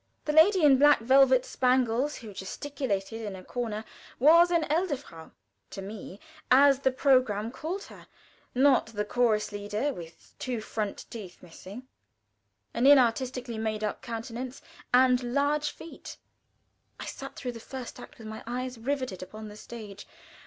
The lady in black velvet and spangles, who gesticulated in a corner, was an "Edelfrau" to me, as the programme called her, not the chorus leader, with two front teeth missing, an inartistically made up countenance, and large feet. I sat through the first act with my eyes riveted upon the stage.